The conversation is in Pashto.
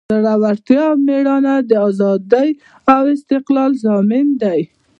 زړورتیا او میړانه د ازادۍ او استقلال ضامن دی.